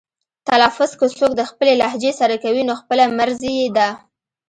تلفظ که څوک د خپلې لهجې سره کوي نو خپله مرزي یې ده.